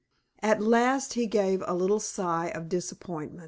At last he gave a little sigh of disappointment.